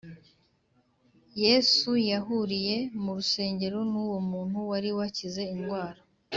Yesu yahuriye mu rusengero n’uwo muntu wari wakize indwara.